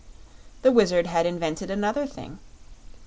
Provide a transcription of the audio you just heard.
The Wizard had invented another thing.